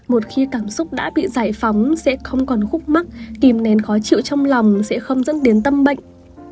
một khi cảm xúc đã bị giải phóng sẽ không còn khúc mắc kìm nén khó chịu trong lòng sẽ không dẫn đến tâm bệnh